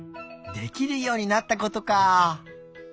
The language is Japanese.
できるようになったことか。